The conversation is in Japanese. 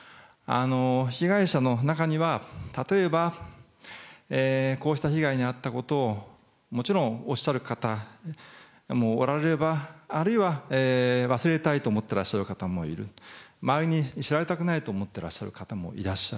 被害者の中には、例えば、こうした被害に遭ったことをもちろんおっしゃる方もおられれば、あるいは忘れたいと思ってらっしゃる方もいる、周りに知られたくないと思っていらっしゃる方もいる。